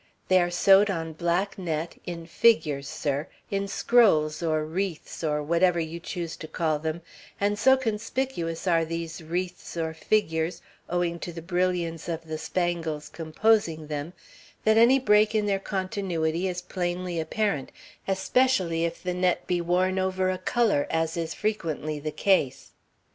They are sewed on black net, in figures, sir; in scrolls or wreaths or whatever you choose to call them; and so conspicuous are these wreaths or figures, owing to the brilliance of the spangles composing them, that any break in their continuity is plainly apparent, especially if the net be worn over a color, as is frequently the case.